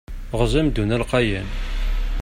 Ɣez amdun alqayan.